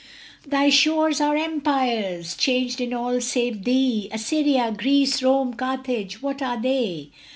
Thy shores are empires, changed in all save thee Assyria, Greece, Rome, Carthage, what are they?